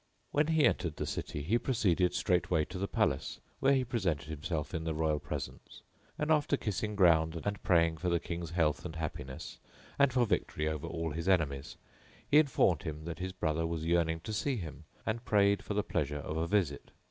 When he entered the city he proceeded straightway to the palace, where he presented himself in the royal presence; and, after kissing ground and praying for the King's health and happiness and for victory over all his enemies, he informed him that his brother was yearning to see him, and prayed for the pleasure of a visit.